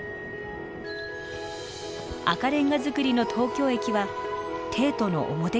赤レンガ造りの東京駅は帝都の表玄関でした。